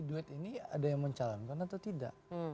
duet ini ada yang mencalonkan atau tidak